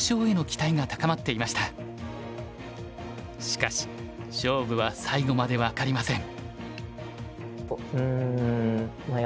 しかし勝負は最後まで分かりません。